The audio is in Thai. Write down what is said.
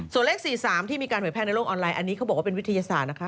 ส่วนเลข๔๓ที่มีการเผยแพร่ในโลกออนไลน์อันนี้เขาบอกว่าเป็นวิทยาศาสตร์นะคะ